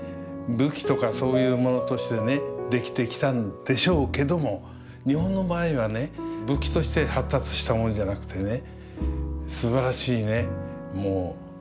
武器とかそういうものとしてね出来てきたんでしょうけども日本の場合はね武器として発達したものじゃなくてね